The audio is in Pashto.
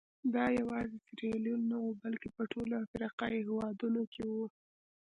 دا یوازې سیریلیون نه وو بلکې په ټولو افریقایي هېوادونو کې وو.